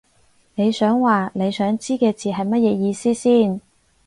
你想話你想知嘅字係乜嘢意思先